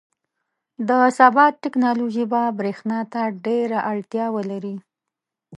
• د سبا ټیکنالوژي به برېښنا ته ډېره اړتیا ولري.